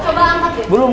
hape wyu nak ketemu